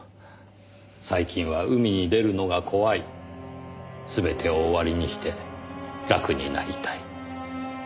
「最近は海に出るのが怖い」「すべてを終わりにして楽になりたい」